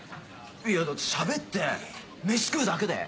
いやだってしゃべってメシ食うだけで⁉